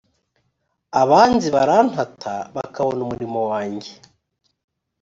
abanzi barantata bakabona umurimo wanjye